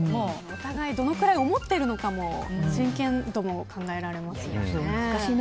お互いどのくらい思っているのかも真剣度も考えられますよね。